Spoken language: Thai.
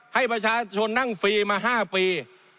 ให้ประชาชนนั่งฟรีมา๕ปี